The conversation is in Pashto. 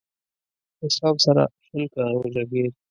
له اسلام سره شل کاله وجنګېد.